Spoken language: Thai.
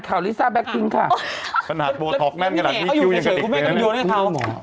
ใช่ไหมที่นายบอกแล้วพี่แหน